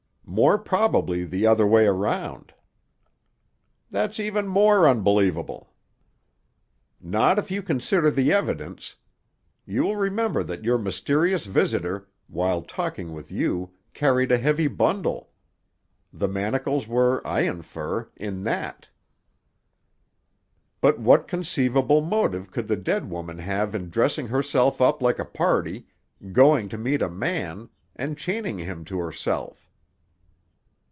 "More probably the other way round." "That's even more unbelievable." "Not if you consider the evidence. You will remember that your mysterious visitor, while talking with you, carried a heavy bundle. The manacles were, I infer, in that." "But what conceivable motive could the dead woman have in dressing herself up like a party, going to meet a man, and chaining him to herself?"